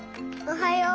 おはよう。